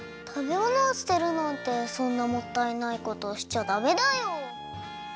たべものを捨てるなんてそんなもったいないことしちゃダメだよ。